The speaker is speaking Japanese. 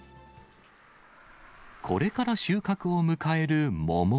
これから収穫を迎える桃。